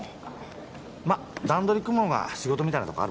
まっ段取り組むのが仕事みたいなとこあるもんな。